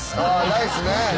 ライスね。